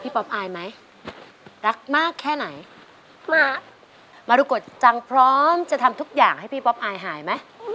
พี่ป๊อปอายหายไหม